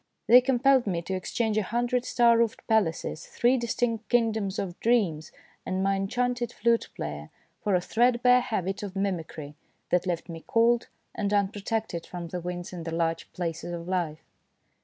They compelled me to exchange a hundred star roofed palaces, three distinct kingdoms of dreams, and my enchanted flute THE DAY BEFORE YESTERDAY 191 player for a threadbare habit of mimicry that left me cold and unprotected from the winds in the large places of life.